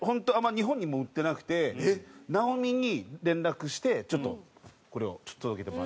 日本にも売ってなくて直美に連絡してちょっとこれを届けてもらって。